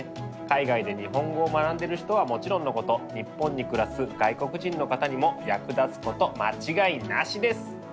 海外で日本語を学んでる人はもちろんのこと日本に暮らす外国人の方にも役立つこと間違いなしです！